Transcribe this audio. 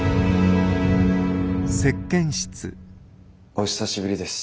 お久しぶりです。